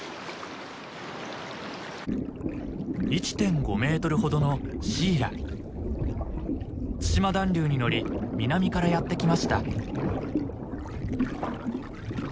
１．５メートルほどの対馬暖流に乗り南からやって来ました。